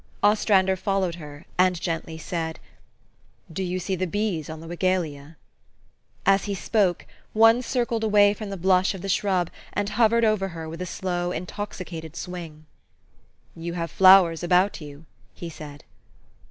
Ostrander followed her, and gently said, " Do you see the bees on the wigelia? " As he spoke, one circled away from the blush of the shrub, and hovered over her with a slow, intoxi cated swing. " You have flowers about you," he said.